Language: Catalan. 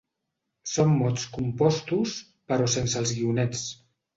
Són mots compostos però sense els guionets.